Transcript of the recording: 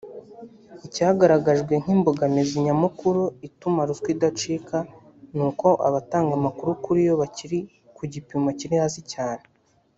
Icyagaragajwe nk’imbogamizi nyamukuru ituma ruswa idacika ni uko abatanga amakuru kuriyo bakiri ku gipimo kiri hasi cyane